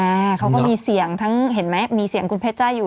อ่าเขาก็มีเสียงทั้งเห็นไหมมีเสียงคุณเพชรจ้าอยู่